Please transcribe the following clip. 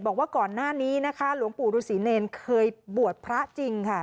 บอกว่าก่อนหน้านี้นะคะหลวงปู่ฤษีเนรเคยบวชพระจริงค่ะ